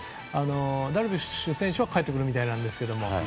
ダルビッシュ選手は帰ってくるみたいなんですけど。